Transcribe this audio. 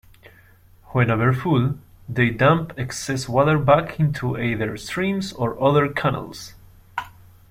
When over full, they dump excess water back into either streams or other canals.